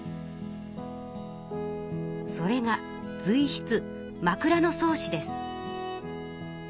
それがずい筆「枕草子」です。